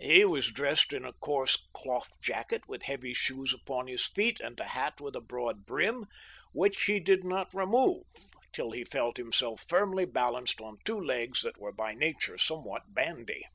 He was dressed in a coarse cloth jacket, with heavy shoes upon his feet, and a hat with a broad brim, which he did not re move till he felt himself firmly balanced on two legs that were by nature somewhat bandy.